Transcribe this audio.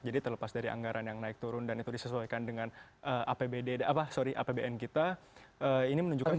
jadi terlepas dari anggaran yang naik turun dan itu disesuaikan dengan apbn kita ini menunjukkan bahwa